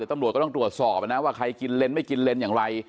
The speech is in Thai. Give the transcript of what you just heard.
ตำรวจก็ต้องตรวจสอบนะว่าใครกินเลนไม่กินเลนส์อย่างไร